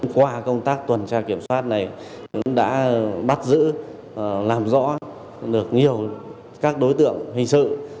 qua công tác tuần tra kiểm soát này cũng đã bắt giữ làm rõ được nhiều các đối tượng hình sự